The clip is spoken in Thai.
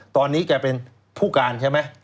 ตอนนี้แกเป็นผู้การใช่ไหม